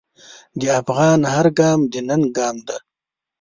د افغان هر ګام د ننګ ګام دی.